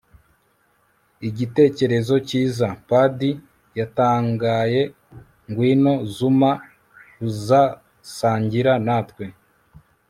igitekerezo cyiza! padi yatangaye. ngwino, zuma, uzasangira natwe